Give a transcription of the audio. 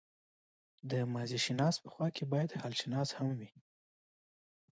د ماضيشناس په خوا کې بايد حالشناس هم وي.